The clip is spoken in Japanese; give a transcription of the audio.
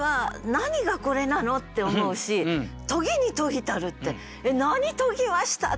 「何がこれなの？」って思うし「研ぎに研ぎたる」って「えっ何研ぎました？」って